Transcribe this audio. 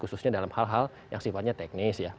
khususnya dalam hal hal yang sifatnya teknis ya